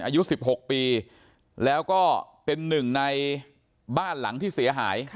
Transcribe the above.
อายุ๑๖ปีแล้วก็เป็นหนึ่งในบ้านหลังที่เสียหาย